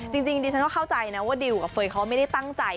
จริงดิวกับเฟย์ก็ไม่ได้ตั้งใจ